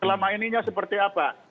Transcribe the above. selama ininya seperti apa